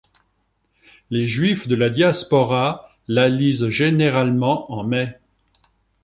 Les Juifs de la Diaspora la lisent généralement en mai.